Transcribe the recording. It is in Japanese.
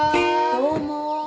どうも。